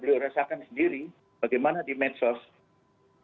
dirasakan sendiri bagaimana di medsource